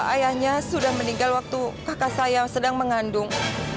ayahnya sudah meninggal waktu kakak saya sedang mengandung